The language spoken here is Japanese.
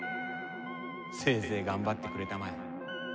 せいぜい頑張ってくれたまえ。